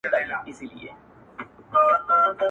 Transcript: مېلمانه یې د مرګي لوی ډاکټران کړل-